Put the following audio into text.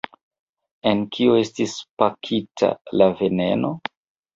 En kio estis pakita la veneno?